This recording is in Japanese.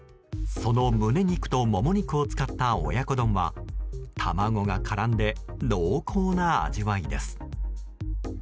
その胸肉とモモ肉を使った親子丼は卵が絡んで濃厚な味わいです。